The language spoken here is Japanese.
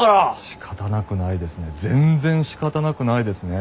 しかたなくないですね全然しかたなくないですね。